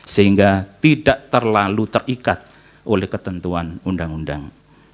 sehingga tidak terlalu terikat oleh ketentuan undang undang